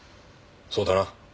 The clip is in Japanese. そうだな。